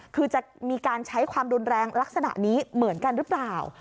คือจะมีการใช้ความรุนแรงลักษณะนี้เหมือนกันหรือเปล่า